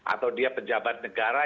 atau dia pejabat negara